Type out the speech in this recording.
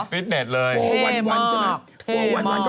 ฟิตเน็ตเลยโอ้โฮเท่มาก